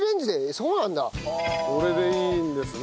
それでいいんですね。